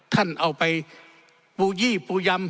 ท่านเอาไปปูยี่ปูยำ